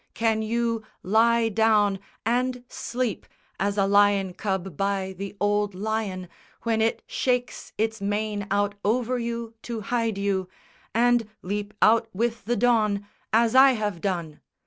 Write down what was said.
Can you lie down And sleep, as a lion cub by the old lion, When it shakes its mane out over you to hide you, And leap out with the dawn as I have done?